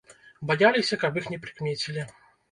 Баяліся, каб іх не прыкмецілі.